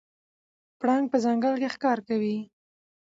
پړانګ په ځنګل کې ښکار کوي.